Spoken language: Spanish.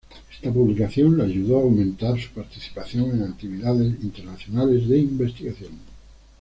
Esta publicación la ayudó a aumentar su participación en actividades internacionales de investigación.